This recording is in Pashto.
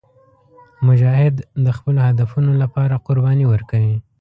مجاهد د خپلو هدفونو لپاره قرباني ورکوي.